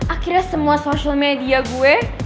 akhirnya semua social media gue